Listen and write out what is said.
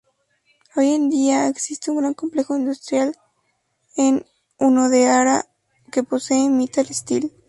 Hoy en día, existe un gran complejo industrial en Hunedoara que posee Mittal Steel.